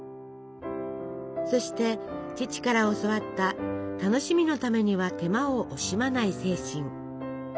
そして父から教わった楽しみのためには手間を惜しまない精神。